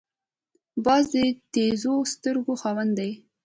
باز د تېزو سترګو خاوند دی